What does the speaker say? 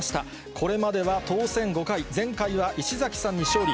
これまでは当選５回、前回は石崎さんに勝利。